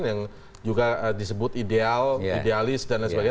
yang juga disebut ideal idealis dan lain sebagainya